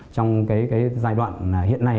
trong giai đoạn hiện nay